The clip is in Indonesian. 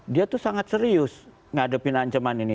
dia tuh sangat serius ngadepin ancaman ini